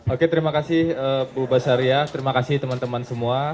oke terima kasih bu basaria terima kasih teman teman semua